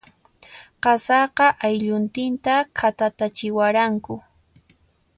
Qasaqa, aylluntinta khatatatachiwaranku.